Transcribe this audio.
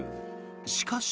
しかし。